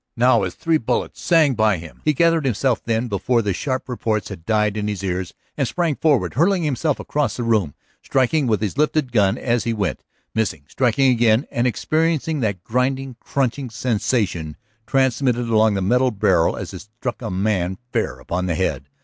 Now, as three bullets sang by him, he gathered himself; then, before the sharp reports had died in his ears, he sprang forward, hurling himself across the room, striking with his lifted gun as he went, missing, striking again and experiencing that grinding, crunching sensation transmitted along the metal barrel as it struck a man fair upon the head.